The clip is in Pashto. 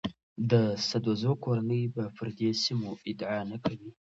د سدوزو کورنۍ به پر دې سیمو ادعا نه کوي.